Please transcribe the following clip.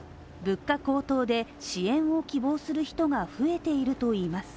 物価高騰で支援を希望する人が増えているといいます。